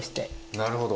なるほど。